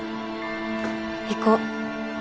行こう。